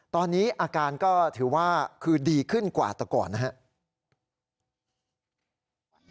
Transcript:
ตอนนี้อาการก็ถือว่าคือดีขึ้นกว่าแต่ก่อนนะครับ